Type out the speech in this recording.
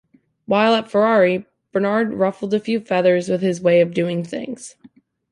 While at Ferrari, Barnard ruffled a few feathers with his way of doing things.